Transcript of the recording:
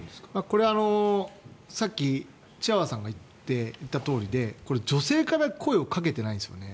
これは、さっきチワワさんが言っていたとおりでこれ、女性から声をかけてないんですよね。